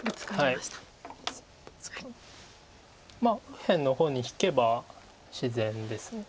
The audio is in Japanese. まあ右辺の方に引けば自然です。